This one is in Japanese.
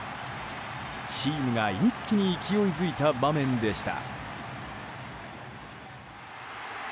チームが一気に勢いづいた場面でした。